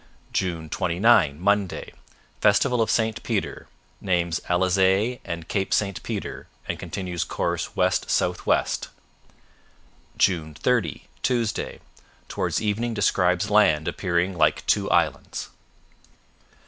" 29 Monday Festival of St Peter. Names Alezay and Cape St Peter, and continues course west south west. " 30 Tuesday Towards evening describes land appearing like two islands.